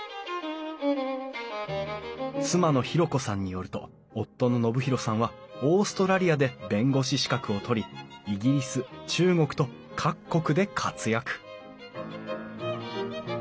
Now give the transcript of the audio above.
妻の裕子さんによると夫の信博さんはオーストラリアで弁護士資格を取りイギリス中国と各国で活躍！